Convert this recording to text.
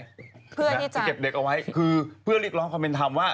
จะเก็บเด็กเอาไว้คือเพื่อเรียกร้องความเป็นธรรมว่า